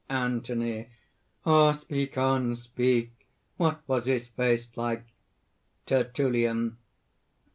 ANTHONY. "Ah, speak on, speak! What was his face like?" TERTULLIAN.